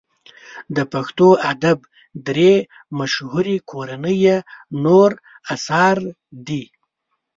د پښتو ادب درې مشهوري کورنۍ یې نور اثار دي.